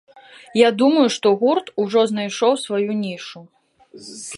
Я думаю, што гурт ужо знайшоў сваю нішу.